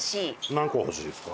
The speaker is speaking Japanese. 何個欲しいですか？